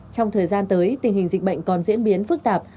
trong thời gian tới tình hình dịch bệnh còn diễn biến phức tạp